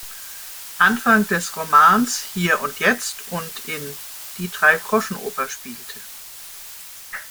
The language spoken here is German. Anfang des Romans", "Hier und Jetzt" und in "Die Dreigroschenoper" spielte.